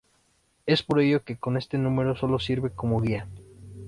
Es por ello que este número solo sirve como guía.